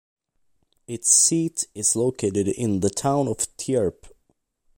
Its seat is located in the town of Tierp.